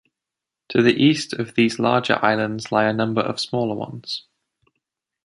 To the east of these larger islands lie a number of smaller ones.